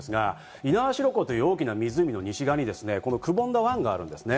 猪苗代湖という大きな湖の西側にくぼんだ湾があるんです。